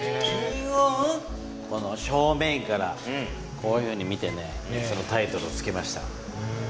この正面からこういうふうに見てそのタイトルをつけました。